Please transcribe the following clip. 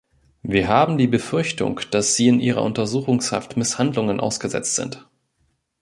Wir haben die Befürchtung, dass sie in ihrer Untersuchungshaft Misshandlungen ausgesetzt sind.